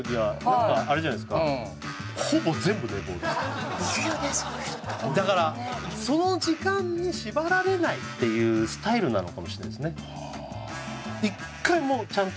そういう人ってホントにねその時間に縛られないっていうスタイルなのかもしれないですね